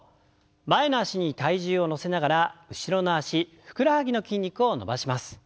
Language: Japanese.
前の脚に体重を乗せながら後ろの脚ふくらはぎの筋肉を伸ばします。